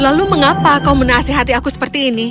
lalu mengapa kau menasihati aku seperti ini